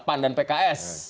pan dan pks